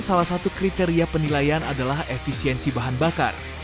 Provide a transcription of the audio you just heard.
salah satu kriteria penilaian adalah efisiensi bahan bakar